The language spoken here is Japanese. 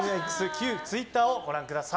旧ツイッターをご覧ください。